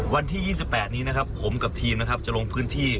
วันที่๒๘นี้นะครับผมกับทีมนะครับจะลงพื้นที่